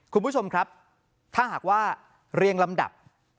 คุณผู้ชมครับถ้าหากว่าเรียงลำดับ